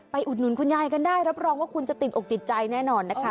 อุดหนุนคุณยายกันได้รับรองว่าคุณจะติดอกติดใจแน่นอนนะคะ